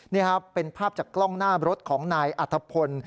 นี่ครับเป็นภาพจากกล้องหน้ารถของนายอัธพล